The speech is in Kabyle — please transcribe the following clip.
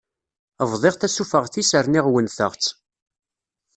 Bḍiɣ tasufeɣt-is rniɣ wennteɣ-tt.